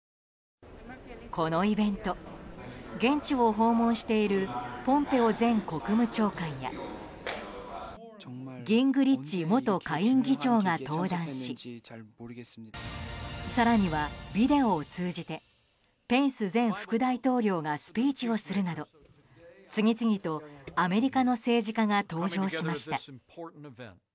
このイベント現地を訪問しているポンペオ前国務長官やギングリッチ元下院議長が登壇し更にはビデオを通じてペンス前副大統領がスピーチをするなど次々とアメリカの政治家が登場しました。